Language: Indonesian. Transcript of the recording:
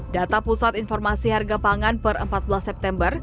data pusat informasi harga pangan per empat belas september